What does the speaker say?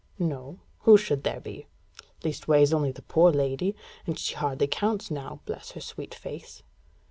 "No. Who should there be? Least ways, only the poor lady. And she hardly counts now bless her sweet face!"